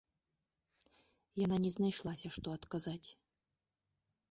Яна не знайшлася, што адказаць.